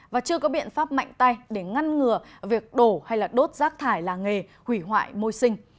và chưa có biện pháp mạnh tay để ngăn ngừa việc đổ hay đốt rác thải làng nghề hủy hoại môi sinh